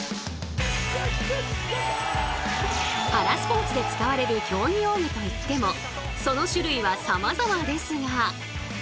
パラスポーツで使われる競技用具といってもその種類はさまざまですが。